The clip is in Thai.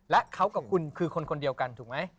และเขากับคุณคือคนคนเดียวกันถูกไหม